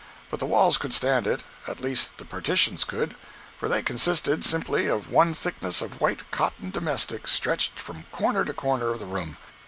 But the walls could stand it—at least the partitions could, for they consisted simply of one thickness of white "cotton domestic" stretched from corner to corner of the room.